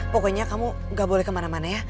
pokoknya kamu gak boleh kemana mana ya